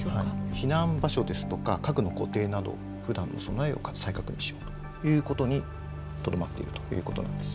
避難場所ですとか家具の固定などふだんの備えを再確認しようということにとどまっているということなんです。